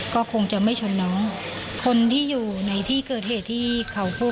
ก็คงจะไม่ชนน้องคนที่อยู่ในที่เกิดเหตุที่เขาพูด